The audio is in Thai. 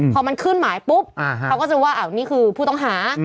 พอมันขึ้นหมายปุ๊บเขาก็จะว่านี่คือผู้ต้องหา